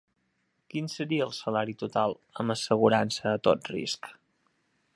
Quin seria el salari total, amb assegurança a tot risc?